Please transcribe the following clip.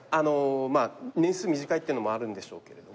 年数短いっていうのもあるんでしょうけれども